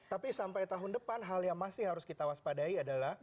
tapi sampai tahun depan hal yang masih harus kita waspadai adalah